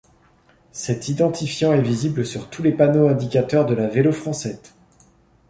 Cette identifiant est visible sur tous les panneaux indicateurs de la Vélo Francette.